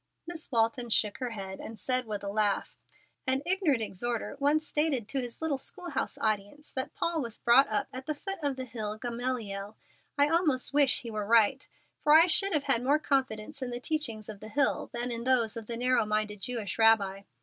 Miss Walton shook her head, and said, with a laugh: "An ignorant exhorter once stated to his little schoolhouse audience that Paul was brought up at the foot of the hill Gamaliel. I almost wish he were right, for I should have had more confidence in the teachings of the hill than in those of the narrow minded Jewish Rabbi."